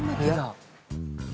いや！